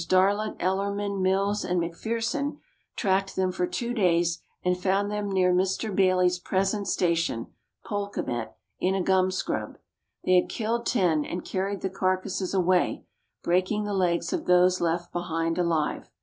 Darlot, Ellerman, Mills, and McPherson tracked them for two days, and found them near Mr. Baillie's present station (Polkemet) in a gum scrub. They had killed ten, and carried the carcases away, breaking the legs of those left behind alive.